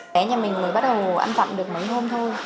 trẻ nhà mình mới bắt đầu ăn dặm được mấy hôm thôi